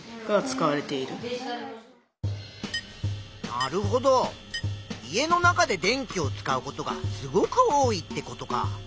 なるほど家の中で電気を使うことがすごく多いってことか。